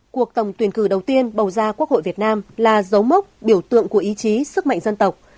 cuộc tổng tuyển cử đầu tiên bầu ra quốc hội việt nam là dấu mốc biểu tượng của ý chí sức mạnh dân tộc